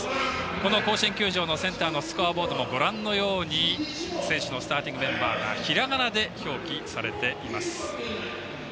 この甲子園球場のセンターのスコアボードもご覧のように選手のスターティングメンバーがひらがなで表記されています。